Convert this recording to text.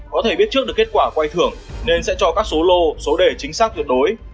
có thể biết trước được kết quả quay thưởng nên sẽ cho các số lô số đề chính xác tuyệt đối